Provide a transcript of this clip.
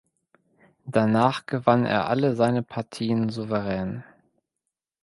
Danach gewann er alle seine Partien souverän.